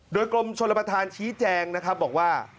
โดยกรมชนประธานชี้แจงนะครับบอกว่า